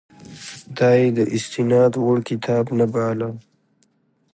دا یې د استناد وړ کتاب نه باله.